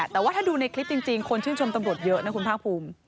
แต่ว่าถ้าดูในคลิปจริงคนชื่นชมตำรวจเยอะนะคุณภาคภูมิ